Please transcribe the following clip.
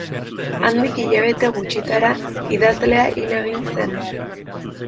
Handik hilabete gutxitara idazlea hil egin zen.